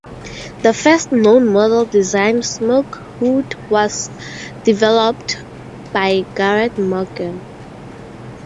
The first known modern-design smoke hood was developed by Garrett Morgan.